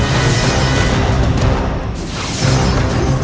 saya seperti sascari